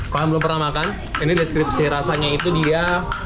kalau belum pernah makan ini deskripsi rasanya itu dia